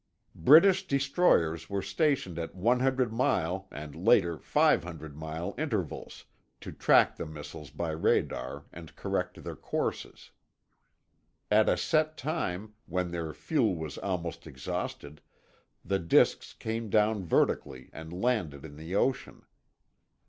British destroyers were stationed at 100 mile and later 500 mile intervals, to track the missiles by radar and correct their courses. At a set time, when their fuel was almost exhausted, the disks came down vertically and landed in the ocean.